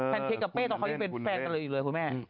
แพนเก๊กกับเป้ตอนเขายังเป็นแฟนกันเลย